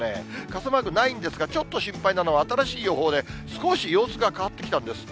傘マークないんですが、ちょっと心配なのは、新しい予報で、少し様子が変わってきたんです。